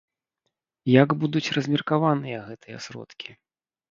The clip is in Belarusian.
Як будуць размеркаваныя гэтыя сродкі?